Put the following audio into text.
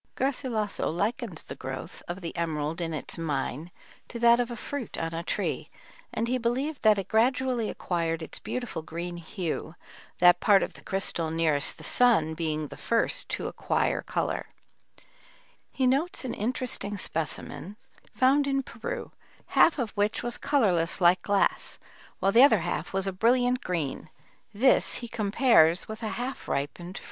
Garcilasso likens the growth of the emerald in its mine to that of a fruit on a tree, and he believed that it gradually acquired its beautiful green hue, that part of the crystal nearest the sun being the first to acquire color. He notes an interesting specimen found in Peru, half of which was colorless like glass, while the other half was a brilliant green; this he compares with a half ripened fruit. [Illustration: VOTIVE ADZE OF JADEITE FROM MEXICO.